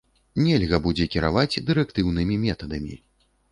Нельга будзе кіраваць дырэктыўнымі метадамі.